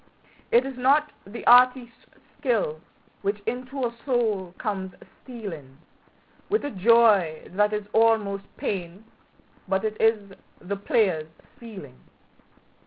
It is not the artist's skill which into our soul comes stealing With a joy that is almost pain, but it is the player's feeling.